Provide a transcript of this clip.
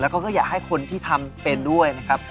แล้วก็อยากให้คนที่ทำเป็นด้วยนะครับ